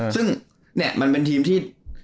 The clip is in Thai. ซึ่งเนี่ยมันเป็นทีมที่